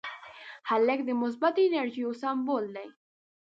هلک د مثبتې انرژۍ یو سمبول دی.